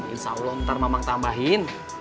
insya allah ntar mama tambahin